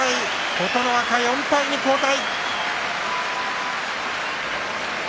琴ノ若、４敗に後退。